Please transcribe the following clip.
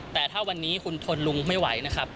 แต่ถ้าวันนี้คุณทนลุงไม่ไหวนะครับ